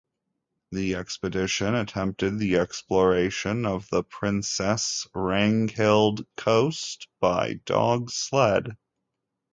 The expedition attempted the exploration of the Princess Ragnhild Coast by dog sled.